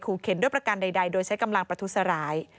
เข็นด้วยประการใดโดยใช้กำลังประทุษร้าย